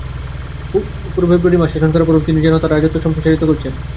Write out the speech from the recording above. পুরো ফেব্রুয়ারি মাস শাসন করার পরও তিনি যেন তাঁর রাজত্ব সম্প্রসারিত করছেন।